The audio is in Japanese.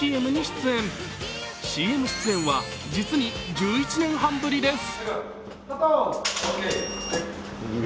ＣＭ出演は実に１１年半ぶりです。